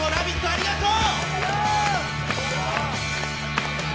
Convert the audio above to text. ありがとう！